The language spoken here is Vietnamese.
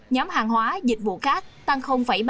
nhóm hàng hóa dịch vụ khác tăng ba mươi